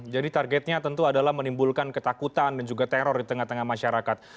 jadi targetnya tentu adalah menimbulkan ketakutan dan juga teror di tengah tengah masyarakat